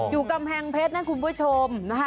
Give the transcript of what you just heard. อยู่กำแพงเพชรนั่นคุณผู้ชมนะคะ